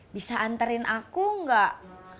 bisa anterin aku gak